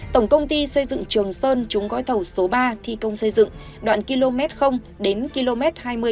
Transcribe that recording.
tổng công ty xây dựng trường sơn trúng gói thầu số ba thi công xây dựng đoạn km đến km hai mươi năm trăm linh